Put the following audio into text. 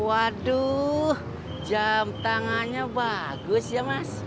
waduh jam tangannya bagus ya mas